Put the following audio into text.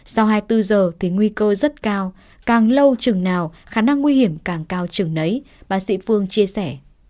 sau hai mươi bốn h thì nguy cơ rất cao càng lâu trường nào khả năng nguy hiểm càng cao trường nấy bác sĩ phương chia sẻ